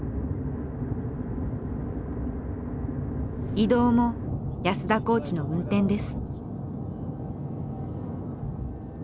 移動も安田コーチの運転です。